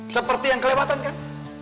seperti yang kelewatankan